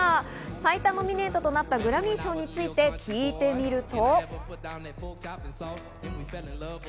最多ノミネートとなったグラミー賞について聞いてみると。